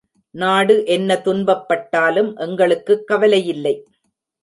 நாடு என்ன துன்பப்பட்டாலும் எங்களுக்குக் கவலையில்லை.